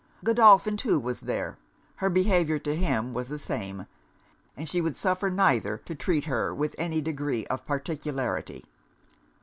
Godolphin too was there: her behaviour to him was the same; and she would suffer neither to treat her with any degree of particularity.